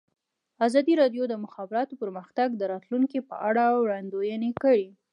ازادي راډیو د د مخابراتو پرمختګ د راتلونکې په اړه وړاندوینې کړې.